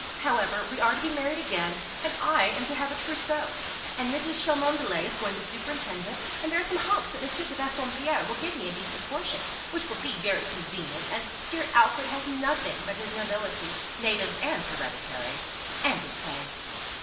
However, we are to be married again, and I am to have a trousseau, and Mrs. Cholmondeley is going to superintend it; and there are some hopes that M. de Bassompierre will give me a decent portion, which will be very convenient, as dear Alfred has nothing but his nobility, native and hereditary, and his pay.